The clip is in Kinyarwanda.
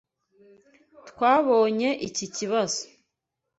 Twabonye iki kibazo.